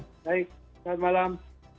baik selamat malam